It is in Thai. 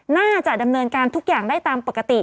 น่าจะดำเนินการทุกอย่างได้ตามปกติ